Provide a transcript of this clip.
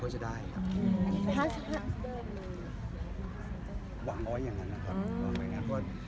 หวังอ้อยอย่างนั้นนะครับ